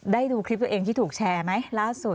ได้ดูคลิปตัวเองที่ถูกแชร์ไหมล่าสุด